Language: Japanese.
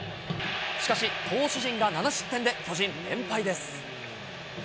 しかし、投手陣が７失点で巨人、連敗です。